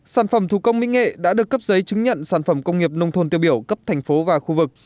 sản phẩm thủ công minh nghệ đã được cấp giấy chứng nhận sản phẩm công nghiệp nông thôn tiêu biểu cấp thành phố và khu vực